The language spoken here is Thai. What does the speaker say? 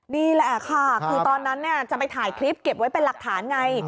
นี่แหละค่ะคือตอนนั้นจะไปถ่ายคลิปเก็บไว้เป็นหลักฐานไง